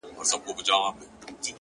ستا د يوه واري ليدلو جنتې خوندونه!